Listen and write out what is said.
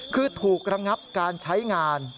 คือถูกระงับการใช้งาน